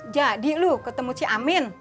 jadi lu ketemu cik amin